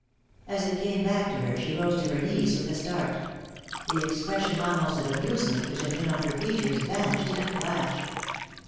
As it came back to her she rose to her knees with a start; the expression almost of amusement which had been upon her features vanished in a flash.